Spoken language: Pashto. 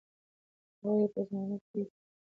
د هغوی په زمانه کې د علم او پوهې دروازې پرانیستل شوې.